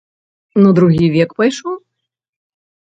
На другі век пайшоў?